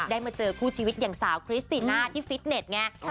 มาเจอคู่ชีวิตอย่างสาวคริสติน่าที่ฟิตเน็ตไง